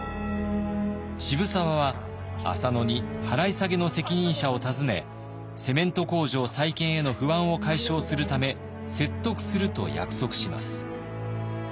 渋沢は浅野に払い下げの責任者を訪ねセメント工場再建への不安を解消するため説得すると約束します。